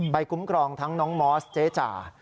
คุ้มครองทั้งน้องมอสเจ๊จ่า